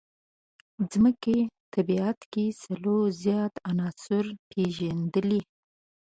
ځمکې طبیعت کې سلو زیات عناصر پېژندلي.